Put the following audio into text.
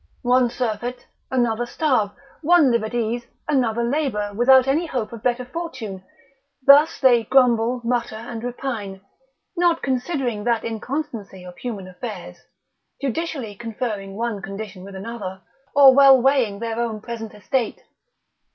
One surfeit, another starve, one live at ease, another labour, without any hope of better fortune? Thus they grumble, mutter, and repine: not considering that inconstancy of human affairs, judicially conferring one condition with another, or well weighing their own present estate.